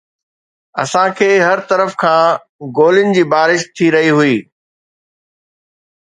اسان تي هر طرف کان گولين جي بارش ٿي رهي هئي